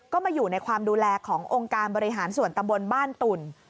ก็มาอยู่ในความดูแลขององค์การบริหารส่วนตำบลบ้านตุ่น